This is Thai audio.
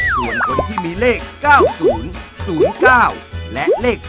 ส่วนคนที่มีเลข๙๐๐๙และเลข๗